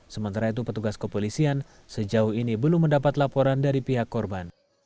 sementara itu petugas kepolisian sejauh ini belum mendapat laporan dari pihak korban